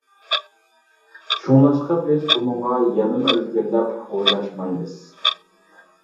شۇڭلاشقا بىز بۇنىڭغا يەنىمۇ ئىلگىرىلەپ ئويلاشمايمىز.